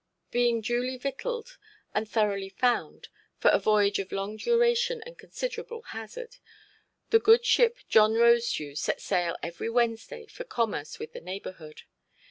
Being duly victualled, and thoroughly found, for a voyage of long duration and considerable hazard, the good ship "John Rosedew" set sail every Wednesday for commerce with the neighbourhood.